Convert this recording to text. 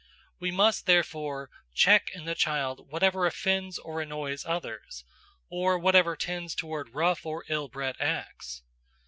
We must, therefore, check in the child whatever offends or annoys others, or whatever tends toward rough or ill bred acts.